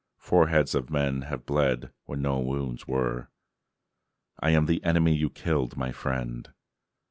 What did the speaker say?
Foreheads of men have bled where no wounds were. I am the enemy you killed, my friend.